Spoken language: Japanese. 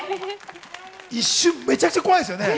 一瞬めちゃくちゃ怖いですよね？